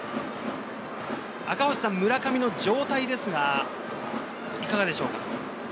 村上の状態ですが、いかがでしょうか？